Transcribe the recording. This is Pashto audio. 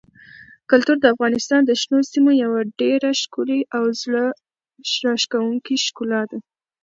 کلتور د افغانستان د شنو سیمو یوه ډېره ښکلې او زړه راښکونکې ښکلا ده.